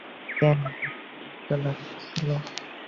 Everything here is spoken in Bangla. কেন যে তাঁর লজ্জা লাগছিল!